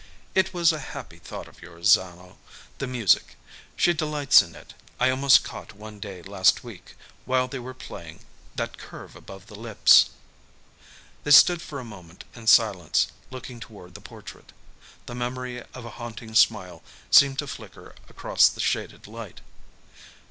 "It was a happy thought of yours, Zano the music. She delights in it. I almost caught, one day last week, while they were playing, that curve about the lips." They stood for a moment in silence, looking toward the portrait. The memory of a haunting smile seemed to flicker across the shaded light.